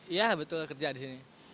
iya betul kerja di sini